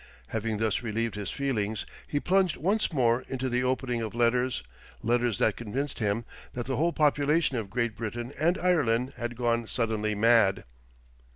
Having thus relieved his feelings he plunged once more into the opening of letters, letters that convinced him that the whole population of Great Britain and Ireland had gone suddenly mad.